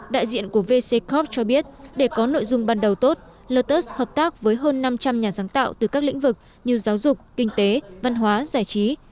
đại diện của vc corp cho biết để có nội dung ban đầu tốt lotus hợp tác với hơn năm trăm linh nhà sáng tạo từ các lĩnh vực như giáo dục kinh tế văn hóa giải trí